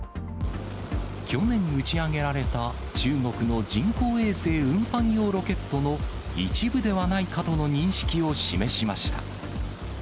去年、打ち上げられた中国の人工衛星運搬用ロケットの一部ではないかとの認識を示しました。